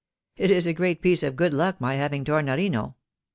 It is a great piece of good luck my having Tornorino.